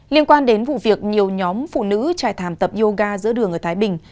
liên quan đến vụ việc nhiều nhóm phụ nữ trải thảm tập yoga giữa đường ở thái bình